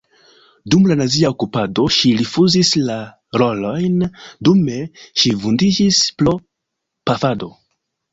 Dum la nazia okupado ŝi rifuzis la rolojn, dume ŝi vundiĝis pro pafado.